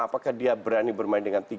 apalagi seandainya mereka bergabung dengan juve